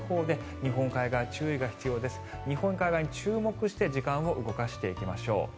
日本海側に注目して時間を動かしていきましょう。